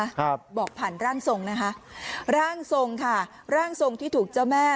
ครับบอกผ่านร่างทรงนะคะร่างทรงค่ะร่างทรงที่ถูกเจ้าแม่